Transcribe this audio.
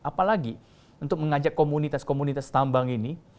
apalagi untuk mengajak komunitas komunitas tambang ini